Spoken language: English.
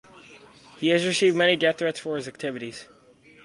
He has received many death threats for his activities.